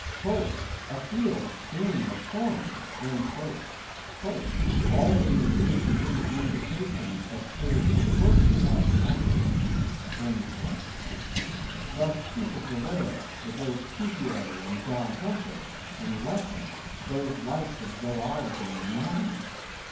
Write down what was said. "A field strewn with thorns." "All these incomplete indications but serve to torture us naturalists." Thus speak of the whale, the great Cuvier, and John Hunter, and Lesson, those lights of zoology and anatomy.